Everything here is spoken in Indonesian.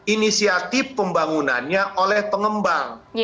inisiatif pembangunannya oleh pengembang